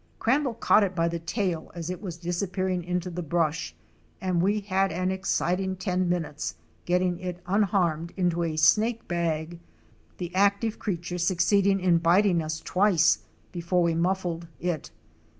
Cran dall caught it by the tail as it was disappearing into the brush and we had an exciting ten minutes getting it unharmed into a snake bag, the active creature succeeding in biting us twice before we muffled it.